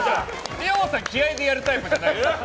二葉さんは気合でやるタイプじゃない。